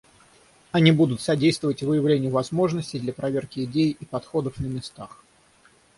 Они будут содействовать выявлению возможностей для проверки идей и подходов на местах.